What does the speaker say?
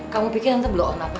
kamu pikir tante belum on apa